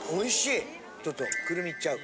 ちょっとくるみいっちゃう。